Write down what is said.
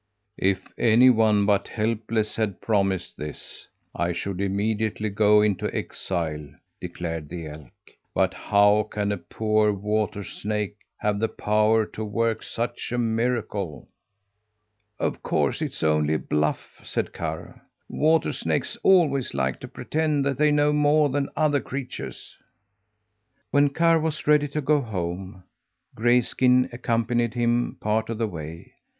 "If any one but Helpless had promised this, I should immediately go into exile," declared the elk. "But how can a poor water snake have the power to work such a miracle?" "Of course it's only a bluff," said Karr. "Water snakes always like to pretend that they know more than other creatures." When Karr was ready to go home, Grayskin accompanied him part of the way.